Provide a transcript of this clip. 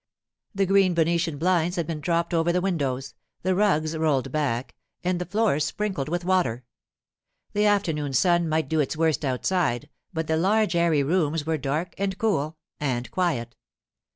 The green Venetian blinds had been dropped over the windows, the rugs rolled back, and the floors sprinkled with water. The afternoon sun might do its worst outside, but the large airy rooms were dark and cool—and quiet.